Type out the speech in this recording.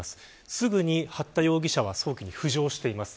すぐに、八田容疑者は早期に浮上しています。